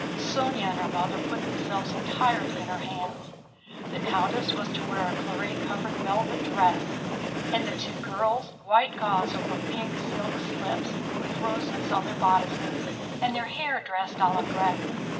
Sónya and her mother put themselves entirely in her hands. The countess was to wear a claret colored velvet dress, and the two girls white gauze over pink silk slips, with roses on their bodices and their hair dressed à la grecque.